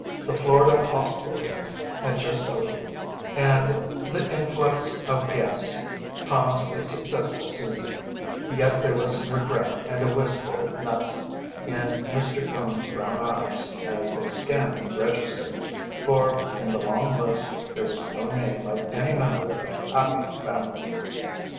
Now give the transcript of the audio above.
The Florida hostelry had just opened and the influx of guests promised a successful season, yet there was a regret and a wistfulness in Mr. Cone's brown eyes as they scanned the register, for in the long list there was no name of any member of The Happy Family.